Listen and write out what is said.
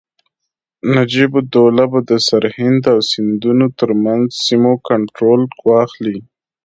نجیب الدوله به د سرهند او سیندونو ترمنځ سیمو کنټرول واخلي.